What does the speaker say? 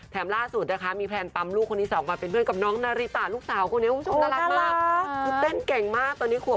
แถมล่าสุดนะคะมีแพลนปั้มลูกคนนี้เสาคมาเป็นเพื่อนกับน้องนาริตาลูกสาวก็เนี่ย